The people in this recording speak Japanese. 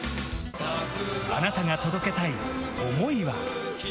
あなたが届けたい想いは？